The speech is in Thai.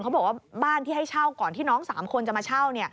บอกว่าบ้านที่ให้เช่าก่อนที่น้อง๓คนจะมาเช่า